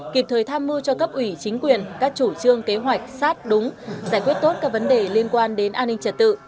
kịp thời tham mưu cho cấp ủy chính quyền các chủ trương kế hoạch sát đúng giải quyết tốt các vấn đề liên quan đến an ninh trật tự